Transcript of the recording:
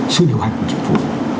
sự điều hành của chính phủ